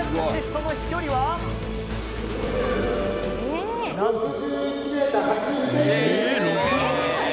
その飛距離は、何と。